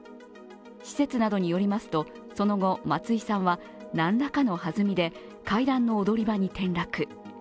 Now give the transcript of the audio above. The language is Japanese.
施設などによりますとその後、松井さんは何らかの弾みで階段の踊り場に転落。